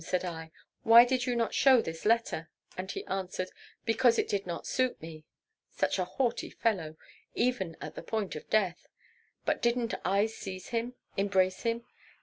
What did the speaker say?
said I, 'why did you not show this letter?' And he answered, 'Because it did not suit me!' Such a haughty fellow, even at the point of death! But didn't I seize him, embrace him?